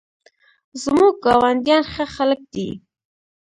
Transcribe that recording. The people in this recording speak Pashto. زموږ ګاونډیان ښه خلک دي